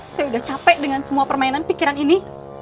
saya udah capek dengan semua permainan pikiran ini